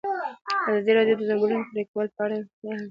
ازادي راډیو د د ځنګلونو پرېکول په اړه د راتلونکي هیلې څرګندې کړې.